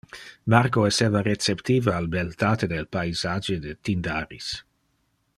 Marco esseva receptive al beltate del paisage de Tyndaris.